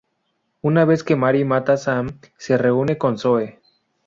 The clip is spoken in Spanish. Una vez que Mary mata a Sam, se reúne con Zoe.